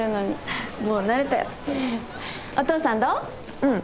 うん。